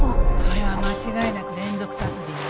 これは間違いなく連続殺人よ。